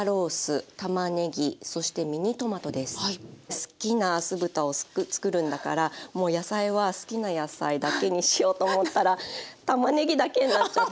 好きな酢豚を作るんだからもう野菜は好きな野菜だけにしようと思ったらたまねぎだけになっちゃって。